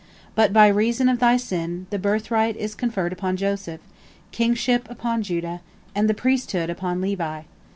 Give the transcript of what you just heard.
But by reason of thy sin, the birthright is conferred upon Joseph, kingship upon Judah, and the priesthood upon Levi.